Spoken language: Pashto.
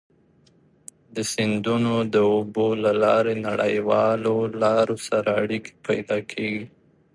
د سیندونو د اوبو له لارې نړیوالو لارو سره اړيکي پيدا کیږي.